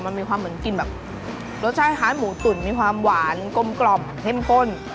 มันมีความเหมือนกลิ่นแบบรสชาติคล้ายหมูตุ๋นมีความหวานกลมกล่อมเข้มข้น